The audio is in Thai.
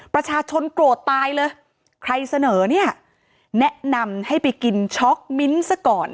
ประชาชนโกรธตายเลยใครเสนอเนี่ยแนะนำให้ไปกินช็อกมิ้นท์ซะก่อน